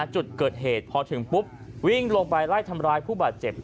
จุดเกิดเหตุพอถึงปุ๊บวิ่งลงไปไล่ทำร้ายผู้บาดเจ็บ